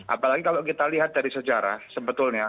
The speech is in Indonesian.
apalagi kalau kita lihat dari sejarah sebetulnya